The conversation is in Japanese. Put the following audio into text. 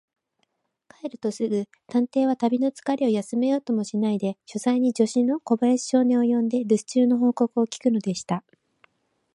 帰るとすぐ、探偵は旅のつかれを休めようともしないで、書斎に助手の小林少年を呼んで、るす中の報告を聞くのでした。